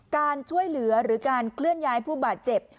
การช่วยเหลือหรือการเคลื่อนย้ายผู้บาดเจ็บ